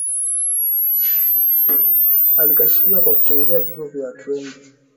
Alikashfiwa kwa kuchangia kwa vifo vya watu wengi